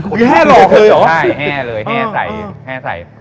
ใช่แห้เลยแห้ใส